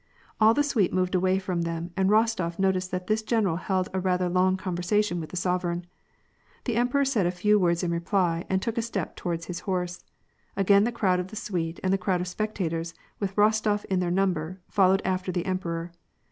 All the suite moved away from them, and Eostof noticed that this general held a rather long conversation with the sovereign. The emperor said a few words in reply, and took a step toward his horse. Again the crowd of the suite and the crowd of spectators, with Eostof in their number, followed after the emperor.